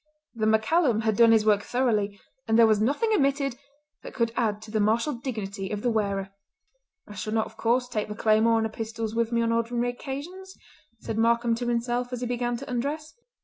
The MacCallum had done his work thoroughly, and there was nothing omitted that could add to the martial dignity of the wearer. "I shall not, of course, take the claymore and the pistols with me on ordinary occasions," said Markam to himself as he began to undress.